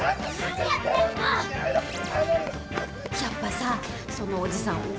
やっぱさそのおじさん